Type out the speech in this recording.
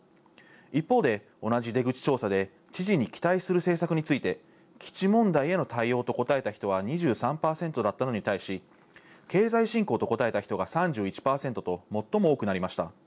一方で、同じ出口調査で知事に期待する政策について、基地問題への対応と答えた人は２３％だったのに対し、経済振興と答えた人が３１％と最も多くなりました。